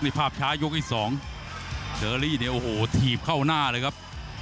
นี่ภาพช้ายกที่สองเดอรี่เนี่ยโอ้โหถีบเข้าหน้าเลยครับ